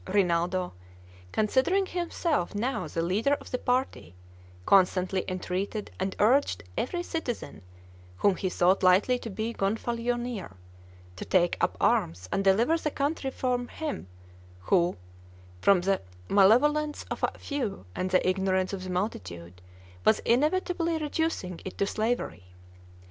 Rinaldo, considering himself now the leader of the party, constantly entreated and urged every citizen whom he thought likely to be Gonfalonier, to take up arms and deliver the country from him who, from the malevolence of a few and the ignorance of the multitude, was inevitably reducing it to slavery.